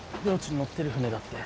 乗ってる船だって。